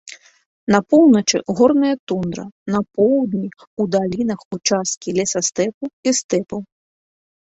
На поўначы горная тундра, на поўдні ў далінах участкі лесастэпу і стэпаў.